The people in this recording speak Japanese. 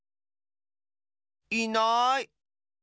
いない！